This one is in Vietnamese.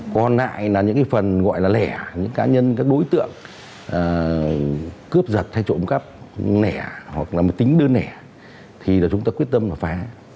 còn lại là những cái phần gọi là lẻ những cá nhân các đối tượng cướp giật hay trộm cắp nẻ hoặc là tính đơn lẻ thì là chúng ta quyết tâm là phá